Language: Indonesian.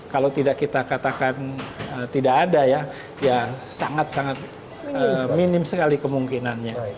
kalau tidak kita katakan tidak ada ya ya sangat sangat minim sekali kemungkinannya